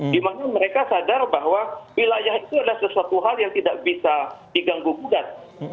di mana mereka sadar bahwa wilayah itu adalah sesuatu hal yang tidak bisa diganggu gugat